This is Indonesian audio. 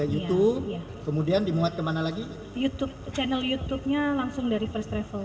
youtube kemudian dimuat kemana lagi youtube channel youtubenya langsung dari first travel